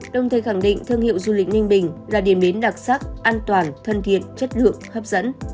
đồng thời khẳng định thương hiệu du lịch ninh bình là điểm đến đặc sắc an toàn thân thiện chất lượng hấp dẫn